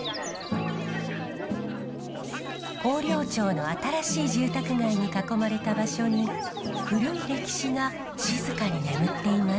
広陵町の新しい住宅街に囲まれた場所に古い歴史が静かに眠っています。